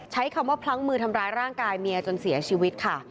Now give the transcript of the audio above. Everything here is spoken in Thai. ใช้คำว่าพลั้งมือทำร้ายร่างกายเมียจนเสียชีวิตค่ะ